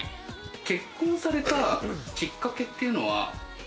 結婚されたきっかけというのは？